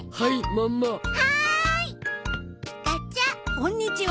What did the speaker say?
こんにちは。